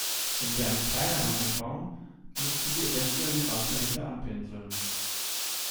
Wenn wir einen kleineren einbauen, müssten Sie eventuell die Wand dahinter anpinseln.